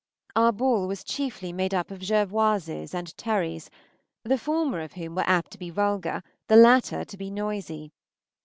Our ball was chiefly made up of Jervoises and Terrys, the former of whom were apt to be vulgar, the latter to be noisy.